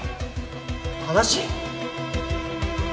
話？